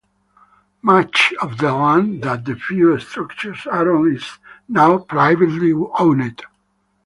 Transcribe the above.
Much of the land that the few structures are on is now privately owned.